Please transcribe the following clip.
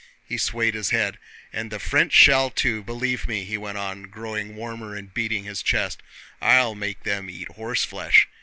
He swayed his head. "And the French shall too, believe me," he went on, growing warmer and beating his chest, "I'll make them eat horseflesh!"